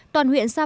toàn huyện sapa